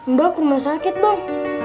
mbak ke rumah sakit bang